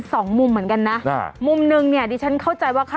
สองมุมเหมือนกันนะอ่ามุมหนึ่งเนี่ยดิฉันเข้าใจว่าค่า